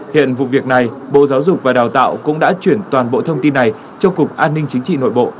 hiện vụ việc này bộ giáo dục và đào tạo cũng đã chuyển toàn bộ thông tin này cho cục an ninh chính trị nội bộ để làm rõ